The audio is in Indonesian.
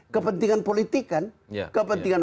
kepentingan politik kan kepentingan